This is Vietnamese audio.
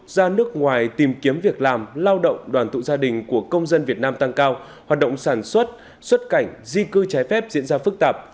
ra nước ngoài tìm kiếm việc làm lao động đoàn tụ gia đình của công dân việt nam tăng cao hoạt động sản xuất xuất cảnh di cư trái phép diễn ra phức tạp